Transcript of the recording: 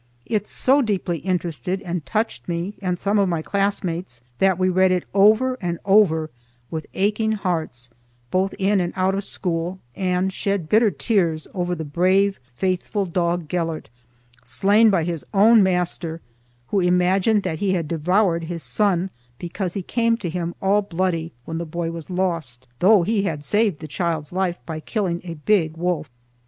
It so deeply interested and touched me and some of my classmates that we read it over and over with aching hearts, both in and out of school and shed bitter tears over the brave faithful dog, Gelert, slain by his own master, who imagined that he had devoured his son because he came to him all bloody when the boy was lost, though he had saved the child's life by killing a big wolf.